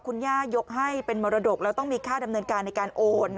คุณย่ายกให้เป็นมรดกแล้วต้องมีค่าดำเนินการในการโอน